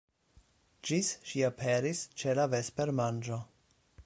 Ĝis ŝi aperis ĉe la vespermanĝo.